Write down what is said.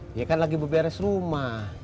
dia kan lagi berberes rumah